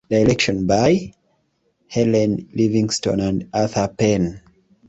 Direction by: Helen Livingston and Arthur Penn.